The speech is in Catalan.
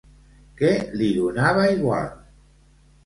Què li donava igual?